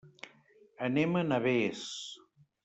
Anem a Navès.